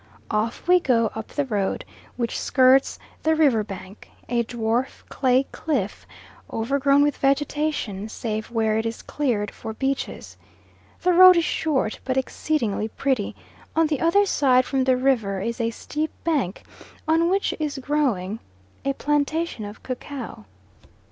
Off we go up the road which skirts the river bank, a dwarf clay cliff, overgrown with vegetation, save where it is cleared for beaches. The road is short, but exceedingly pretty; on the other side from the river is a steep bank on which is growing a plantation of cacao.